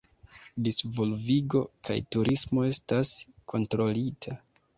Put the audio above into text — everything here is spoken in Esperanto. Disvolvigo kaj turismo estas kontrolita.